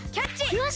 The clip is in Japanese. よし！